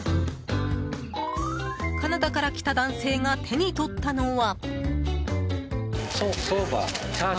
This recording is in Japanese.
カナダから来た男性が手に取ったのは。